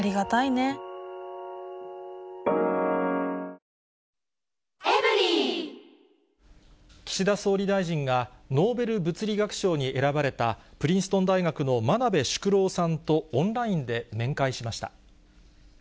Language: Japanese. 先生、どうもありがとうございま岸田総理大臣が、ノーベル物理学賞に選ばれた、プリンストン大学の真鍋淑郎さんとオンラインで面会しました。